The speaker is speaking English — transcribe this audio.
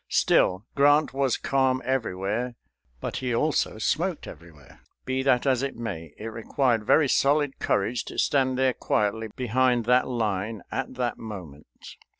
Still, Grant was calm everywhere; but he also smoked everywhere. Be that as it may, it required very solid courage to stand there quietly behind that line at that moment.